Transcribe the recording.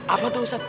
apa tuh ustadz